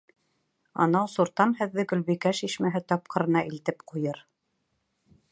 Анау суртан һеҙҙе Гөлбикә шишмәһе тапҡырына илтеп ҡуйыр!